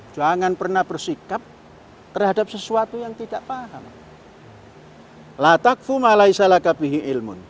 jangan pernah bersikap terhadap sesuatu yang tidak paham